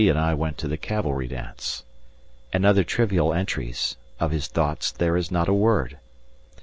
and I went to the Cavalry dance," and other trivial entries of his thoughts there is not a word.